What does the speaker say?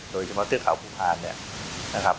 โดยเฉพาะเทือกข่าวผู้พันธุ์เนี่ยนะครับ